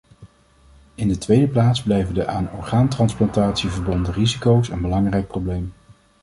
In de twee plaats blijven de aan orgaantransplantatie verbonden risico's een belangrijk probleem.